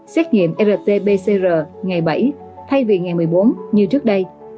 xét nghiệm rt pcr ngày bảy thay vì ngày một mươi bốn như trước đây